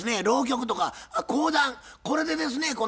浪曲とか講談これでですね